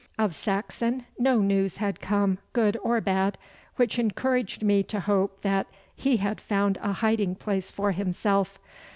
Of Saxon no news had come, good or bad, which encouraged me to hope that he had found a hiding place for himself.